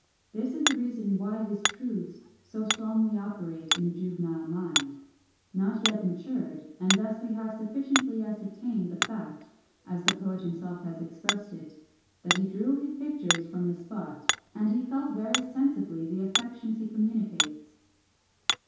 This is the reason why his truths so strongly operate on the juvenile mind, not yet matured: and thus we have sufficiently ascertained the fact, as the poet himself has expressed it, "that he drew his pictures from the spot, and he felt very sensibly the affections he communicates."